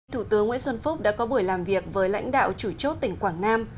thủ tướng nguyễn xuân phúc đã có buổi làm việc với lãnh đạo chủ chốt tỉnh quảng nam